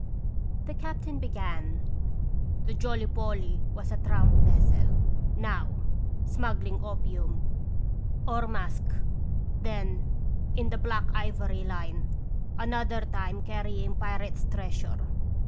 The captain began :" The Jolly Polly was a tramp vessel, now smuggling opium, or i66 21 radons Visitation. musk, then in the ' black ivory ' line, another time carrying pirates' treasure.